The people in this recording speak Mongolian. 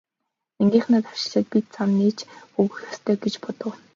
Ангийнхаа давшилтад бид зам нээж өгөх ёстой гэж бодов.